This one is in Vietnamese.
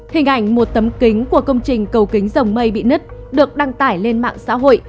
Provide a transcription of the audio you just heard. hình ảnh một tấm kính của công trình cầu kính rồng mây bị nứt được đăng tải lên mạng xã hội